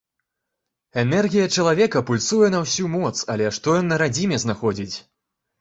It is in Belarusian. Энергія чалавека пульсуе на ўсю моц, але што ён на радзіме знаходзіць?